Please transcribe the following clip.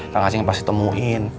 kang aceh pasti temuin